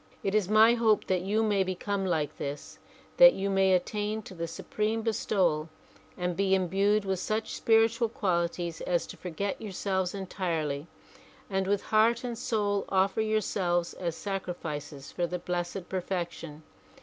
It is my hope that you may become like this ; that you may attain to the supreme bestowal and be imbued with such spiritual qualities as to forget yourselves entirely and with heart and soul offer yourselves as sacrifices for the Blessed Perfection.